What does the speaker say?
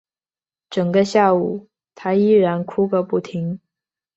整个下午她依然哭个不停